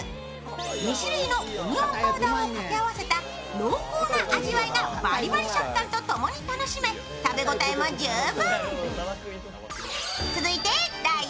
２種類のオニオンパウダーを掛け合わせた濃厚な味わいがバリバリ食感と共に楽しめ食べ応えも十分。